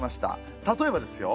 例えばですよ